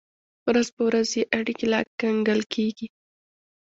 ورځ په ورځ یې اړیکې لا ګنګل کېږي.